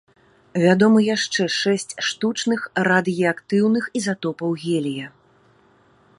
Вядомы яшчэ шэсць штучных радыеактыўных ізатопаў гелія.